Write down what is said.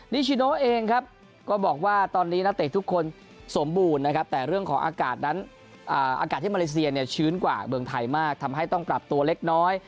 นิชิโนเองครับก็บอกว่าตอนนี้นักเตะทุกคนสมบูรณ์นะครับแต่เรื่องของอากาศนั้นอากาศที่มาเลเซียเนี่ยชื้นกว่าเมืองไทยมากทำให้ต้องปรับตัวเล็กน้อย